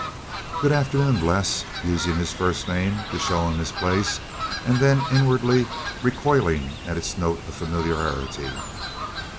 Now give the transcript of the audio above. "Good afternoon, Bles" using his first name to show him his place, and then inwardly recoiling at its note of familiarity.